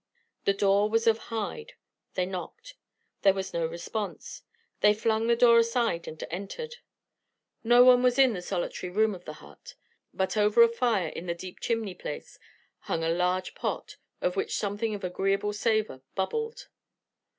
The door was of hide. They knocked. There was no response. They flung the door aside and entered. No one was in the solitary room of the hut, but over a fire in the deep chimney place hung a large pot, in which something of agreeable savour bubbled.